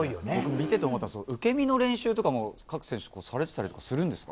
見てて思ったんですけど受け身の練習とかはされてたりするんですか。